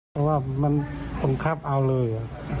เพราะว่ามันบังคับเอาเลย